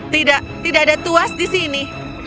tidak tidak ada tuas di sini